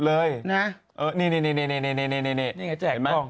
เลยนะฮะเออนี่นี่นี่นี่นี่นี่นี่นี่นี่นี่นี่นี่เนี้ยแจกทอง